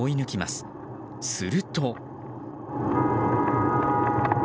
すると。